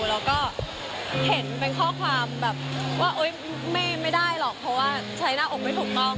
แล้วก็เห็นเป็นข้อความแบบว่าไม่ได้หรอกเพราะว่าใช้หน้าอกไม่ถูกต้อง